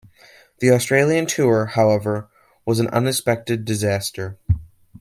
The Australian tour, however, was an unexpected disaster.